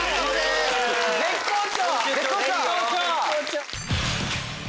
絶好調！